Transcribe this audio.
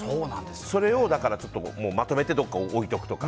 それをまとめてどこかに置いておくとか。